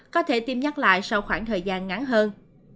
có thể tiêm nhắc lại sau khoảng thời gian ngắn hơn